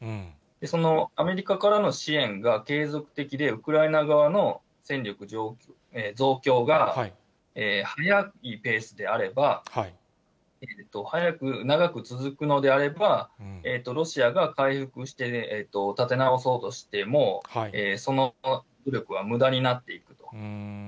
そのアメリカからの支援が継続的で、ウクライナ側の戦力増強が早いペースであれば、早く長く続くのであれば、ロシアが回復して、立て直そうとしても、その努力はむだになっていくと。